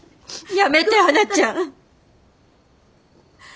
やめてはなちゃん！